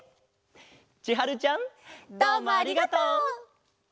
ちはるちゃん。どうもありがとう！